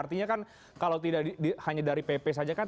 artinya kan kalau tidak hanya dari pp saja kan